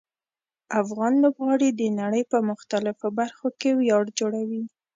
افغان لوبغاړي د نړۍ په مختلفو برخو کې ویاړ جوړوي.